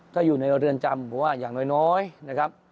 ถ้าอยู่ในเรือนจำเพราะว่าอย่างน้อยนะครับ